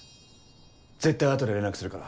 絶対後で連絡するから。